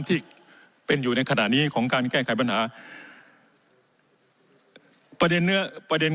ที่เป็นอยู่ในขณะนี้ของการแก้ไขปัญหาประเด็นเนื้อประเด็น